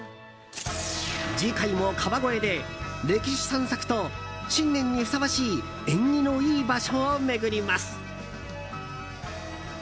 次回も川越で歴史散策と新年にふさわしい縁起のいい場所を巡ります。